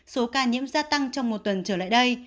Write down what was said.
số ca nhiễm gia tăng trong một tuần trở lại đây